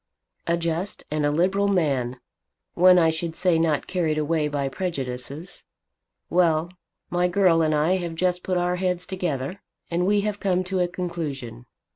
"A just and a liberal man; one I should say not carried away by prejudices! Well, my girl and I have just put our heads together, and we have come to a conclusion.